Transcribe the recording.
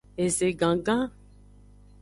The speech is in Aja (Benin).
Eze gangan.